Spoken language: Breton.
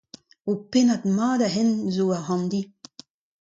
Ur pennad mat a hent a zo ac'hann di.